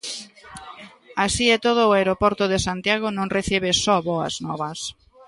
Así e todo o aeroporto de Santiago non recibe só boas novas.